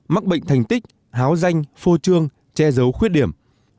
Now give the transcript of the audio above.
mắc bệnh thành tích háo danh phô trương che giấu khuyết điểm